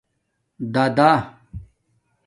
دَادَاہ